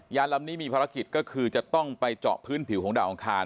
ลำนี้มีภารกิจก็คือจะต้องไปเจาะพื้นผิวของดาวอังคาร